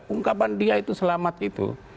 ungkapan dia itu selamat itu